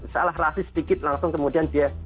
salah rasis sedikit langsung kemudian dia